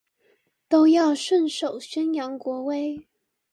都要順手宣揚國威